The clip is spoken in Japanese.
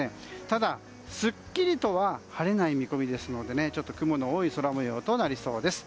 ただ、すっきりとは晴れない見込みですので雲の多い空模様となりそうです。